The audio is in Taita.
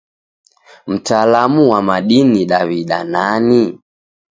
Mtalamu wa madini Daw'ida nani?